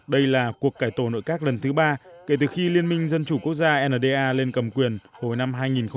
đây là cuộc cải tổ nội các lần thứ ba kể từ khi liên minh dân chủ quốc gia nda lên cầm quyền hồi năm hai nghìn một mươi